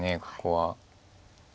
ここは。